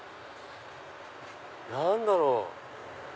何だろう？